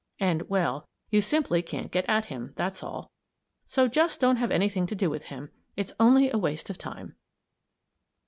And well, you simply can't get at him, that's all. So just don't have anything to do with him. It's only a waste of time."